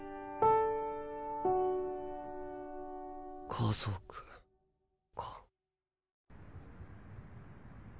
家族か。